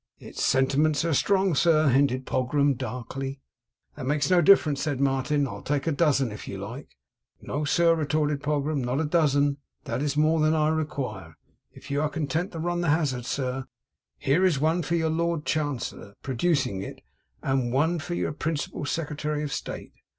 'Its sentiments air strong, sir,' hinted Pogram, darkly. 'That makes no difference,' said Martin. 'I'll take a dozen if you like.' 'No, sir,' retorted Pogram. 'Not A dozen. That is more than I require. If you are content to run the hazard, sir, here is one for your Lord Chancellor,' producing it, 'and one for Your principal Secretary of State.